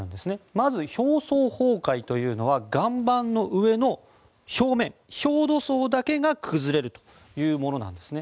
まず表層崩壊というのは岩盤の上の表面、表土層だけが崩れるというものなんですね。